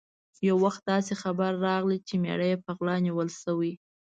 یو وخت داسې خبر راغی چې مېړه یې په غلا نیول شوی.